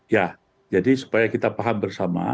ya jadi supaya kita paham bersama